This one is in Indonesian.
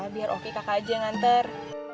biar oki kakak aja yang nganter